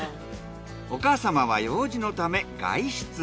お母さまは用事のため外出。